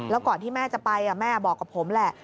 แล้วก่อนที่แม่จะไปแม่บอกกับผมแหละ